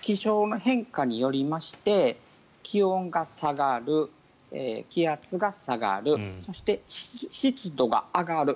気象の変化によりまして気温が下がる気圧が下がるそして、湿度が上がる。